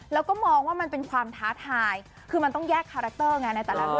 แล้วก็มองว่ามันเป็นความท้าทายคือมันต้องแยกคาแรคเตอร์ไงในแต่ละเรื่อง